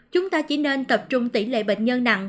chúng ta chỉ nên tập trung tỷ lệ bệnh nhân nặng